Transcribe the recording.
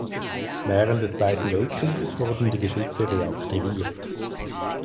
Während des Zweiten Weltkrieges wurden die Geschütze reaktiviert.